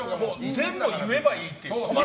全部言えばいいっていう。